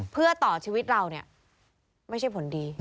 เพื่อต่อชีวิตเราเนี่ยไม่ใช่ผลดี